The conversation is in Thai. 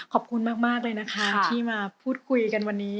ขอบคุณมากเลยนะคะที่มาพูดคุยกันวันนี้